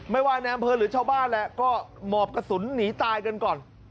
ว่าในอำเภอหรือชาวบ้านแหละก็หมอบกระสุนหนีตายกันก่อน